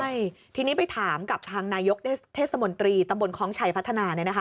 ใช่ทีนี้ไปถามกับทางนายกเทศมนตรีตำบลคล้องชัยพัฒนา